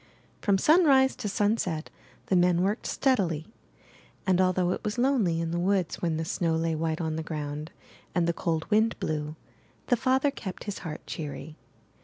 From sunrise to sunset the men worked steadily; and although it was lonely in the woods when the snow lay white on the ground and the cold wind blew, the father kept his heart cheery.